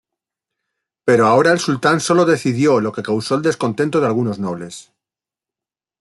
Pero ahora el sultán solo decidió, lo que causó el descontento de algunos nobles.